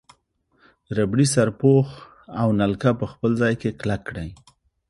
ربړي سرپوښ او نلکه په خپل ځای کې کلک کړئ.